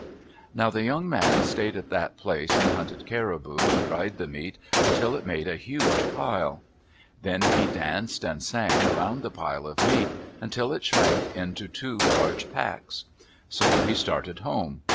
Now the young man stayed at that place and hunted caribou and dried the meat until it made a huge pile. Then he danced and sang around the pile of meat, until it shrank into two large packs. So he started home.